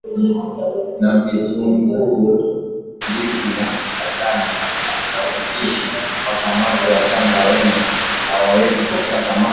na vitunguuNdizi za Wachagga na upishi wa samaki Wachaga wengi hawawezi kupika samaki